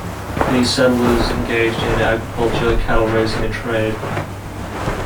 These settlers engaged in agriculture, cattle-raising, and trade.